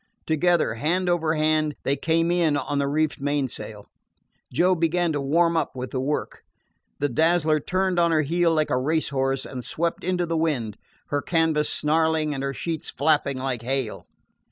Together, hand over hand, they came in on the reefed mainsail. Joe began to warm up with the work. The Dazzler turned on her heel like a race horse, and swept into the wind, her canvas snarling and her sheets slatting like hail.